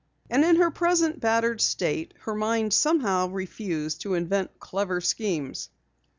And in her present battered state, her mind somehow refused to invent clever schemes.